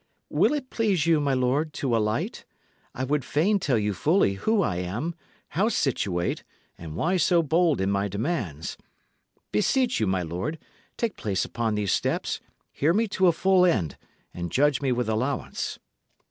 "Will it please you, my lord, to alight? I would fain tell you fully who I am, how situate, and why so bold in my demands. Beseech you, my lord, take place upon these steps, hear me to a full end, and judge me with allowance."